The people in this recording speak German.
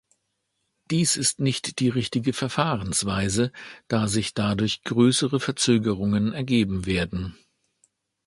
Dies ist nicht die richtige Verfahrensweise, da sich dadurch größere Verzögerungen ergeben werden.